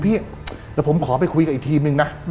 พี่เดี๋ยวผมขอไปคุยกับอีกทีมนึงนะ